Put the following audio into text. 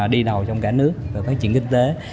đi đầu trong cả nước về phát triển kinh tế